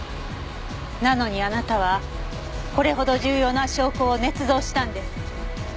なのにあなたはこれほど重要な証拠を捏造したんです。